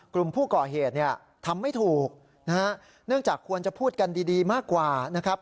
กลุ่มผู้ก่อเหตุเนี่ยทำไม่ถูกนะฮะเนื่องจากควรจะพูดกันดีดีมากกว่านะครับ